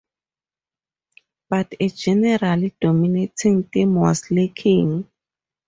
But a general dominating theme was lacking.